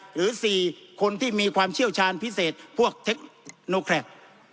หรือ๔คนที่มีความเชี่ยวชาญพิเศษพวกเทคโนแครต